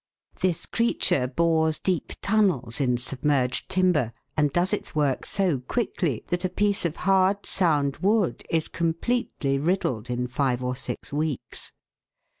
This creature bores deep 202 THE WORLD'S LUMBER ROOM. tunnels in submerged timber, and does its work so quickly that a piece of hard sound wood is completely riddled in five or six weeks.